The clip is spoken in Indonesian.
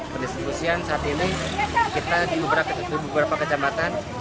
pendistribusian saat ini kita di beberapa kecamatan